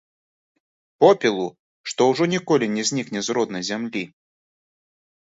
Попелу, што ўжо ніколі не знікне з роднай зямлі.